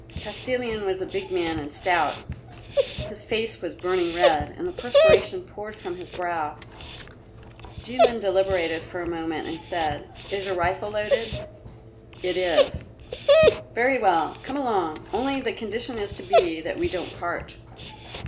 Kostilin was a big man and stout; his face was burning red, and the perspiration poured from his brow. Jilin deliberated for a moment and said, "Is your rifle loaded?" "It is." "Very well; come along. Only the condition is to be that we don't part."